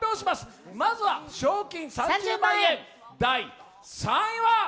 まずは賞金３０万円第３位は？